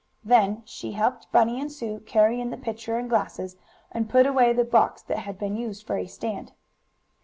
Then she helped Bunny and Sue carry in the pitcher and glasses, and put away the box that had been used for a stand.